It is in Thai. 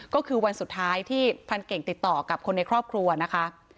ก็คือวันสุดท้ายที่พรานเก่งติดต่อกับคนในครอบครัวนะคะ